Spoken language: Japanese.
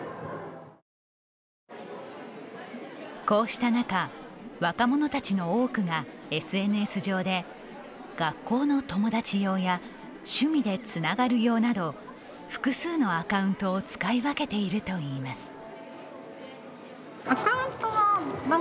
こうした中、若者たちの多くがＳＮＳ上で、学校の友達用や趣味でつながる用など複数のアカウントを使い分けているといいます。